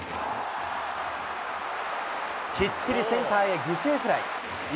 きっちりセンターへ犠牲フライ。